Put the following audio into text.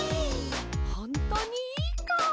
ほんとにいいか？